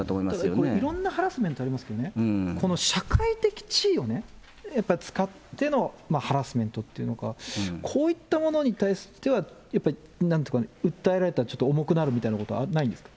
ただ、いろんなハラスメントありますけどね、この社会的地位をね、やっぱり使ってのハラスメントっていうのか、こういったものに対しては、やっぱりなんて言うかな、訴えられたらちょっと重くなるみたいなこと、ないんですか。